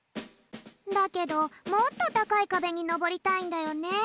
だけどもっと高いカベにのぼりたいんだよね。